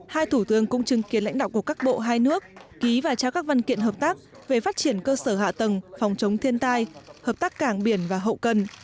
hai thủ tướng cũng chứng kiến lãnh đạo của các bộ hai nước ký và trao các văn kiện hợp tác về phát triển cơ sở hạ tầng phòng chống thiên tai hợp tác cảng biển và hậu cần